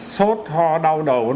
sốt ho đau đầu